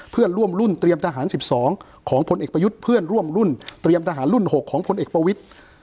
เพื่อนร่วมรุ่นเตรียมทหาร๑๒ของพลเอกประยุทธ์เพื่อนร่วมรุ่นเตรียมทหารรุ่น๖ของพลเอกประวิทธิ์